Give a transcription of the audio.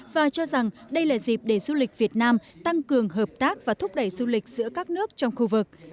và cho rằng đây là dịp để du lịch việt nam tăng cường hợp tác và thúc đẩy du lịch giữa các nước trong khu vực